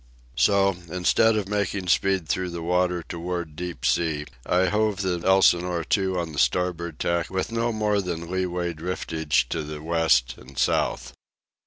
So, instead of making speed through the water toward deep sea, I hove the Elsinore to on the starboard tack with no more than leeway driftage to the west and south.